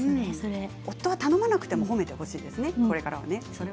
夫は頼まなくても褒めてほしいですね、これからは。